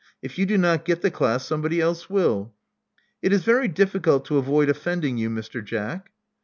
If you do not get the class somebody else will. It is very difficult to avoid offending you, Mr. Jack."